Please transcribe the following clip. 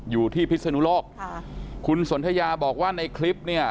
อยู่ที่พิษนุโลกค่ะคุณสนทะยาบอกว่าในคลิปนี่